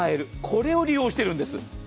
これを利用しているんです。